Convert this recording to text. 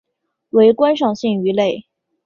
为观赏性鱼类。